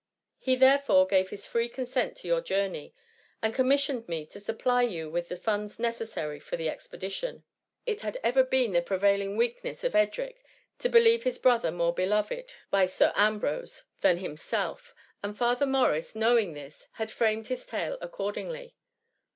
He, therefore, gave his free consent to your journey, and commissioned me to supply you with the funds necessary for the expedition.^ It had ever been the prevailing weakness of Edric to believe his brother more beloved by 198 THE HUM MY. Sir Ambrose than himself; and Father Morris knowing this, had framed his tale accordingly.